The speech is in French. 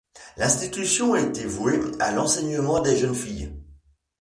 L'institution était vouée à l'enseignement des jeunes filles.